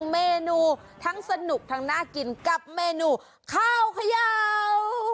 เมนูทั้งสนุกทั้งน่ากินกับเมนูข้าวเขย่า